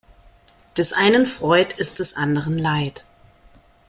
Des einen Freud ist des anderen Leid.